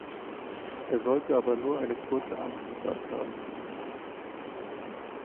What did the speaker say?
Er sollte aber nur eine kurze Amtszeit haben.